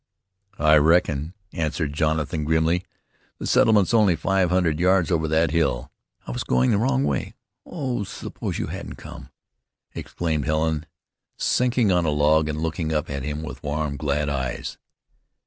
"I reckon," answered Jonathan grimly. "The settlement's only five hundred yards over that hill." "I was going the wrong way. Oh! suppose you hadn't come!" exclaimed Helen, sinking on a log and looking up at him with warm, glad eyes.